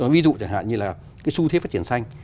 ví dụ chẳng hạn như là cái xu thế phát triển xanh